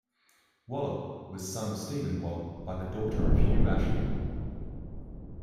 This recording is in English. Wallop, was son of Stephen Wallop by the daughter of Hugh Ashley.